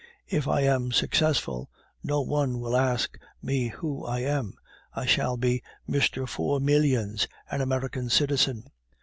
If I am successful, no one will ask me who I am. I shall be Mr. Four Millions, an American citizen.